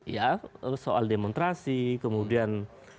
ya soal demonstrasi kemudian